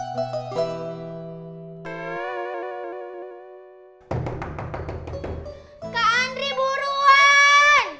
kak andri buruan